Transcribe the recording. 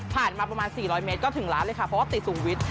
มาประมาณ๔๐๐เมตรก็ถึงร้านเลยค่ะเพราะว่าติดสูงวิทย์